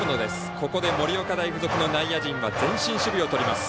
ここで盛岡大付属の内野陣は前進守備をとります。